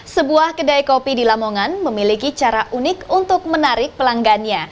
sebuah kedai kopi di lamongan memiliki cara unik untuk menarik pelanggannya